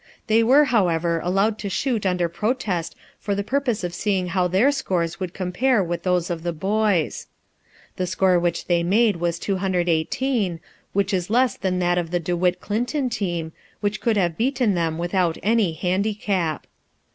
They were, however, allowed to shoot under protest for the purpose of seeing how their scores would compare with those of the boys. The score which they made was 218, which is less than that of the De Witt Clinton team, which could have beaten them without any handicap.